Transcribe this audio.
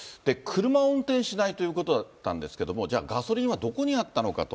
車を運転しないということだったんですけれども、じゃあガソリンはどこにあったのかと。